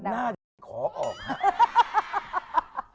หน้าดิขอกออกค่ะ